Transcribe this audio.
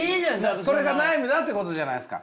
それが悩みだってことじゃないすか。